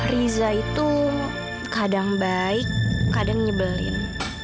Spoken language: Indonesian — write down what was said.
riza itu kadang baik kadang nyebelin